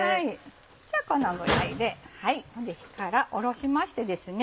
じゃあこのぐらいで火から下ろしましてですね